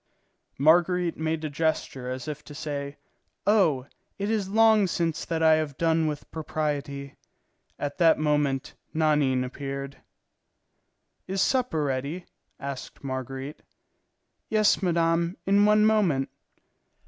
Marguerite made a gesture as if to say, "Oh, it is long since that I have done with propriety!" At that moment Nanine appeared. "Is supper ready?" asked Marguerite. "Yes, madame, in one moment."